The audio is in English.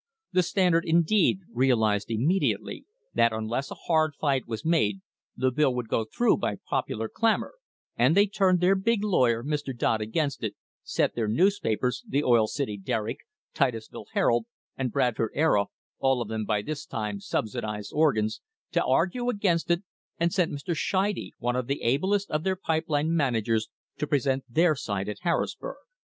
The Stand ard, indeed, realised immediately that unless a hard fight was made the bill would go through by popular clamour, and they turned their big lawyer, Mr. Dodd, against it, set their newspapers the Oil City Derrick, Titusville Herald and Bradford Era, all of them by this time subsidised organs to argue against it, and sent Mr. Scheide, one of the ablest of their pipe line managers, to present their side at Harris burg.